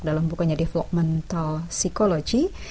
dalam bukunya developmental psychology